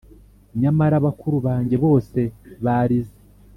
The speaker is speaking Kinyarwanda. . Nyamara bakuru bange bose barize.